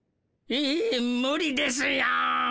えむりですよ。